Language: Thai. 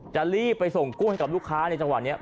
จะรีบไปส่งกรุ้งมาให้ขับลูกค้าเนี่ย